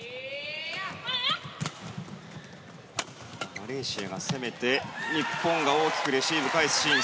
マレーシアが攻めて日本が大きくレシーブを返すシーン。